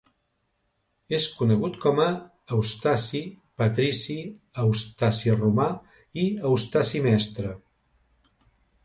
És conegut com a Eustaci Patrici, Eustaci Romà, i Eustaci Mestre.